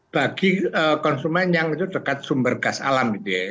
bagi konsumen yang itu dekat sumber gas alam gitu ya